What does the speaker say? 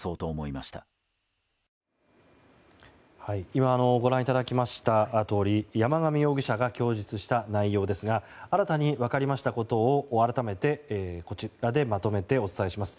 今ご覧いただきましたとおり山上容疑者が供述した内容ですが新たに分かりましたことを改めてこちらでまとめてお伝えします。